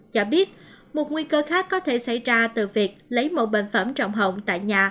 chả biết một nguy cơ khác có thể xảy ra từ việc lấy mẫu bệnh phẩm trọng hồng tại nhà